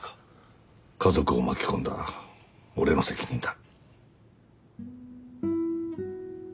家族を巻き込んだ俺の責任だ。